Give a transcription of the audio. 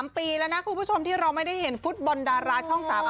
ปีแล้วนะคุณผู้ชมที่เราไม่ได้เห็นฟุตบอลดาราช่อง๓๕